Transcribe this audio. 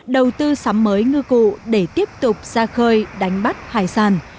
đầu tư sắm mới ngư cụ để tiếp tục ra khơi đánh bắt hải sản